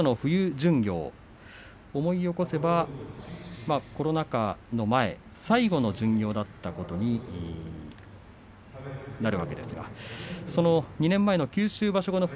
巡業思い起こせばコロナ禍の前で最後の巡業があったことになるわけですがその２年前の九州場所後の冬